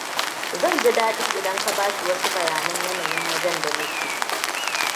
Zan ji daɗi idan ka bashi wasu bayanan yanayin wajen da muke.